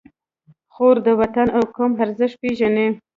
خور د وطن او قوم ارزښت پېژني.